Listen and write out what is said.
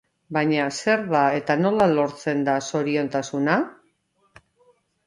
Baina zer da eta nola lortzen da zoriontasuna?